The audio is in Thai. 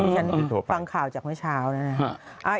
ฉันฟังข่าวจากเมื่อเช้านะครับ